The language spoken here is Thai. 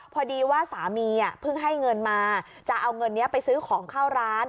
พอดีว่าสามีเพิ่งให้เงินมาจะเอาเงินนี้ไปซื้อของเข้าร้าน